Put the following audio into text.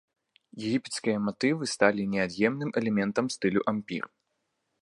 Егіпецкія матывы сталі неад'емным элементам стылю ампір.